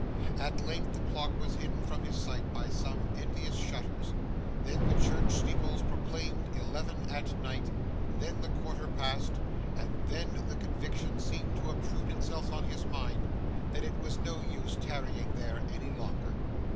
At length, the clock was hidden from his sight by some envious shutters, then the church steeples proclaimed eleven at night, then the quarter past, and then the conviction seemed to obtrude itself on his mind that it was no use tarrying there any longer.